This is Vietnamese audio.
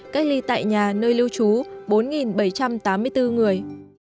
cách ly tại nhà nơi lưu trú bốn bảy trăm tám mươi bốn người